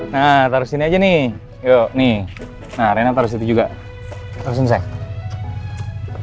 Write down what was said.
nah taruh sini aja nih yuk nih nah rena taruh di situ juga taruh sini saya oke